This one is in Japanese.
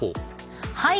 はい。